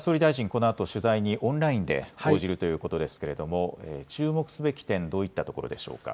このあと取材にオンラインで応じるということですけれども注目すべき点どういったところでしょうか。